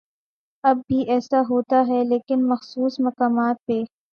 اب بھی ایسا ہوتا ہے لیکن مخصوص مقامات پہ۔